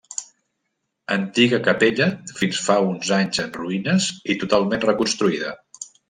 Antiga capella fins fa uns anys en ruïnes i totalment reconstruïda.